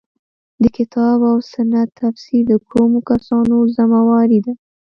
د کتاب او سنت تفسیر د کومو کسانو ذمه واري ده.